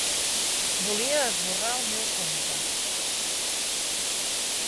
Volia esborrar el meu compte.